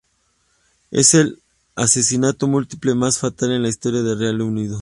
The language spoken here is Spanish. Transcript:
Es el asesinato múltiple más fatal en la historia del Reino Unido.